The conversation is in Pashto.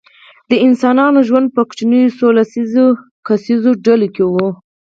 د انسانانو ژوند په کوچنیو څو لس کسیزو ډلو کې و.